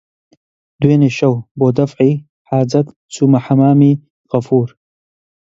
دوێنێ شەو بۆ دەفعی حاجەت چوومە حەممامی غەفوور